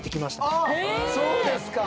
そうですか！